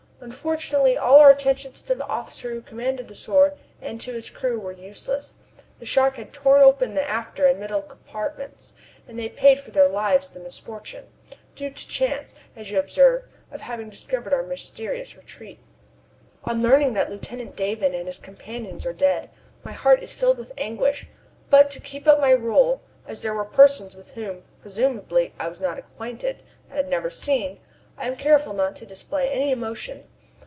Unfortunately all our attentions to the officer who commanded the Sword, and to his crew were useless. The shock had torn open the after and middle compartments, and they paid with their lives the misfortune due to chance, as you observe of having discovered our mysterious retreat." On learning that Lieutenant Davon and his companions are dead, my heart is filled with anguish; but to keep up my role as they were persons with whom, presumably, I was not acquainted, and had never seen I am careful not to display any emotion.